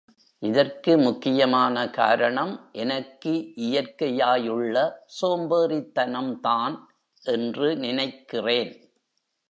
இதற்கு முக்கியமான காரணம் எனக்கு இயற்கையாயுள்ள சோம்பேறித்தனம்தான் என்று நினைக்கிறேன்.